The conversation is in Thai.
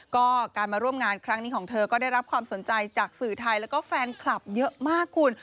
ก็การมาร่วมงานครั้งนี้ของเธอก็ได้รับความสนใจจากสื่อไทยแล้วก็แฟนคลับเยอะมากคุณ